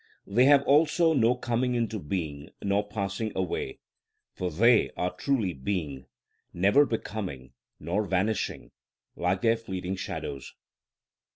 They have also no coming into being nor passing away, for they are truly being, never becoming nor vanishing, like their fleeting shadows.